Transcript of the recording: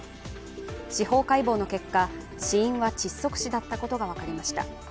司法解剖の結果、死因は窒息死だったことが分かりました。